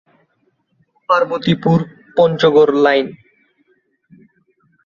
Parbatipur-Panchagarh line